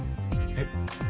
えっ。